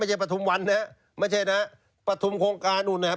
ไม่ใช่ประทุมวันนะไม่ใช่นะประทุมโครงการนู้นนะครับ